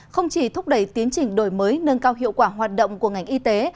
không chỉ thúc đẩy tiến trình đổi mới nâng cao hiệu quả hoạt động của ngành y tế